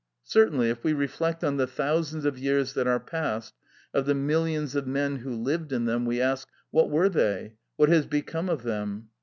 Certainly, if we reflect on the thousands of years that are past, of the millions of men who lived in them, we ask, What were they? what has become of them?